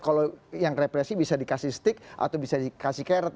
kalau yang represi bisa dikasih stick atau bisa dikasih carrot